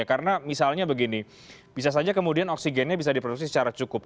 karena misalnya begini bisa saja kemudian oksigennya bisa diproduksi secara cukup